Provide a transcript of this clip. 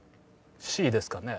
「Ｃ」ですかね？